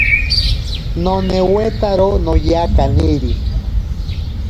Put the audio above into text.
Nonewetaro noya kaniri.